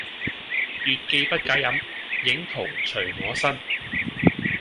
月既不解飲，影徒隨我身